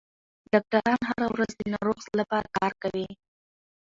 ډاکټران هره ورځ د ناروغ لپاره کار کوي.